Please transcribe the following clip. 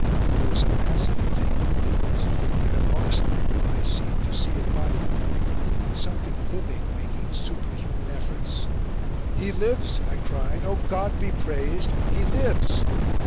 There was a mass of entangled beams, and, amongst them, I seemed to see a body moving, something living making superhuman efforts. "He lives!" I cried. "Oh, God be praised! He lives!"